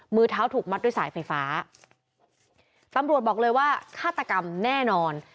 มือเท้าถูกมัดด้วยสายไฟฟ้าตำรวจบอกเลยว่าฆาตกรรมแน่นอน